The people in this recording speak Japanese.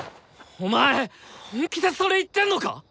お前本気でそれ言ってんのか！